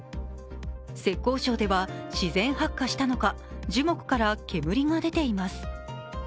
浙江省では自然発火したのか樹木から煙が出ています。